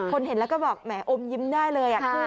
เห็นแล้วก็บอกแหมออมยิ้มได้เลย